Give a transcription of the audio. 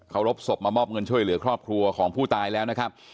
เขารบศพมามอบเงินช่วยเหลือครอบครัวของผู้ตายแล้วนะครับ